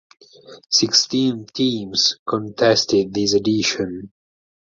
Sixteen teams contested this edition.